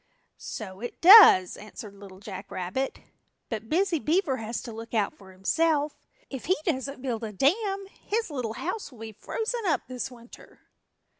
"So it does," answered Little Jack Rabbit, "but Busy Beaver has to look out for himself. If he doesn't build a dam his little house will be frozen up this winter."